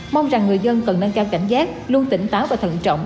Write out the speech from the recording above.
mong rằng người dân cần nâng cao cảnh giác luôn tỉnh táo và thận trọng